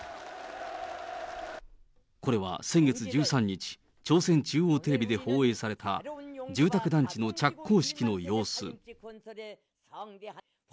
これは先月１３日、朝鮮中央テレビで放映された住宅団地の着工式の様子。